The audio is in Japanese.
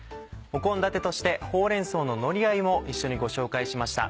献立として「ほうれん草ののりあえ」も一緒にご紹介しました。